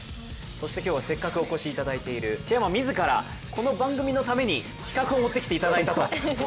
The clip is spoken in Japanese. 今日はせっかくお越しいただいているチェアマン自らこの番組のために企画を持ってきていただいたと。